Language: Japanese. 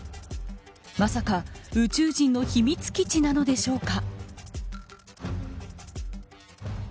まさか、宇宙人の秘密基地なのでしょうか。